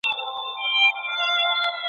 قصاص د ټولني ساتنه کوي.